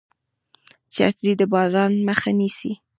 چترۍ د باران مخه نیسي